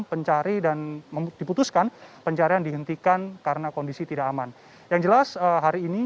pencari dan diputuskan pencarian dihentikan karena kondisi tidak aman yang jelas hari ini